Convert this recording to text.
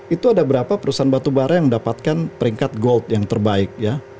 itu ada berapa perusahaan batubara yang mendapatkan peringkat gold yang terbaik ya